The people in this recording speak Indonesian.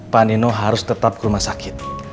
pak nino harus tetap ke rumah sakit